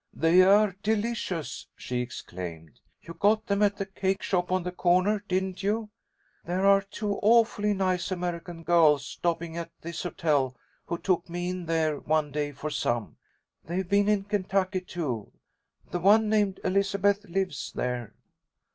"They are delicious!" she exclaimed. "You got them at the cake shop on the corner, didn't you? There are two awfully nice American girls stopping at this hotel who took me in there one day for some. They've been in Kentucky, too. The one named Elizabeth lives there."